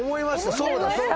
そうだそうだ。